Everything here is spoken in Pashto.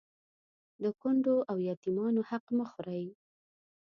د کونډو او يتيمانو حق مه خورئ